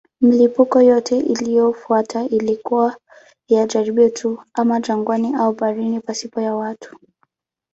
Milipuko yote iliyofuata ilikuwa ya jaribio tu, ama jangwani au baharini pasipo watu.